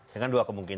dengan dua kemungkinan